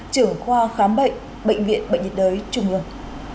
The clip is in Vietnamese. trưởng khoa khám bệnh bệnh viện bệnh nhiệt đới trung ương